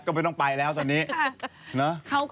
ก็ไม่ต้องไปแล้วตอนนี้